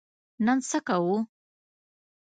نن څه کوو؟